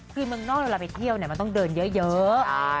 คือเมืองนอกเวลาไปเที่ยวมันต้องเดินเยอะ